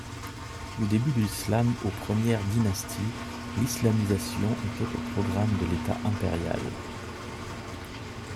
Du début de l'islam aux premières dynasties, l'islamisation était au programme de l'État impérial.